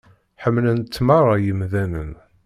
Ḥemmlen-tt meṛṛa yemdanen.